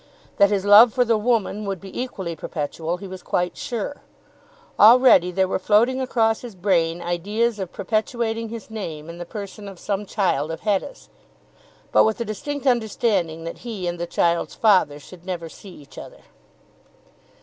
That his love for the woman would be equally perpetual he was quite sure. Already there were floating across his brain ideas of perpetuating his name in the person of some child of Hetta's, but with the distinct understanding that he and the child's father should never see each other.